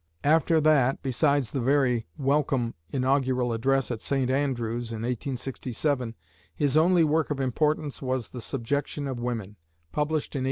After that, besides the very welcome "Inaugural Address" at St. Andrew's in 1867, his only work of importance was "The Subjection of Women," published in 1869.